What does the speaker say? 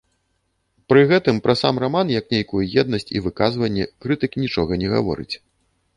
Пры гэтым пра сам раман як нейкую еднасць і выказванне крытык нічога не гаворыць.